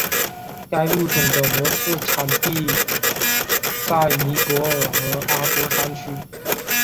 该物种的模式产地在尼泊尔和阿波山区。